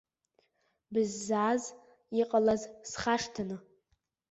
Быззааз, иҟалаз схашҭын.